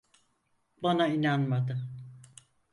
Bana inanmadı.